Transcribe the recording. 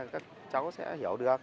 các cháu sẽ hiểu được